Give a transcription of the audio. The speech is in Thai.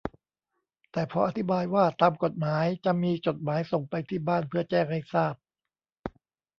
แต่พออธิบายว่าตามกฎหมายจะมีจดหมายส่งไปที่บ้านเพื่อแจ้งให้ทราบ